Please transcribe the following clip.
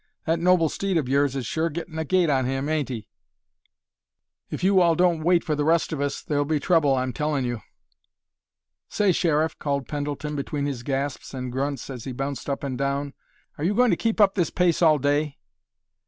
"That noble steed of yours is sure gettin' a gait on him, ain't he? If you all don't wait for the rest of us there'll be trouble, I'm tellin' you!" "Say, Sheriff," called Pendleton between his gasps and grunts as he bounced up and down, "are you going to keep up this pace all day?"